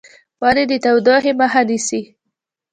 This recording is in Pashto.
ونې د تودوخې مخه نیسي.